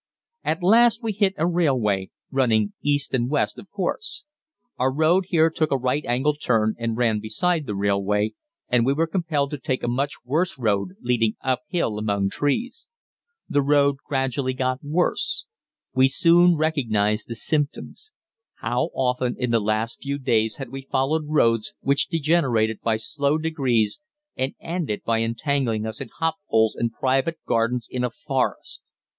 At last we hit a railway, running east and west, of course. Our road here took a right angle turn and ran beside the railway, and we were compelled to take a much worse road leading uphill among trees. The road gradually got worse. We soon recognized the symptoms. How often in the last few days had we followed roads which degenerated by slow degrees and ended by entangling us in hop poles and private gardens in a forest!